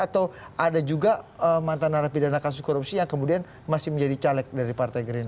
atau ada juga mantan narapidana kasus korupsi yang kemudian masih menjadi caleg dari partai gerindra